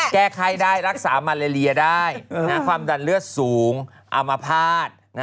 แก้ไข้ได้รักษามาเลเลียได้ความดันเลือดสูงอามภาษณ์